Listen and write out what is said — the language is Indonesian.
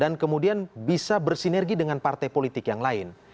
dan kemudian bisa berpengalaman dengan partai politik yang lain